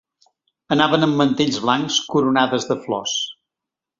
Anaven amb mantells blancs, coronades de flors.